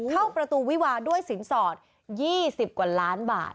เข้าประตูวิวาด้วยสินสอด๒๐กว่าล้านบาท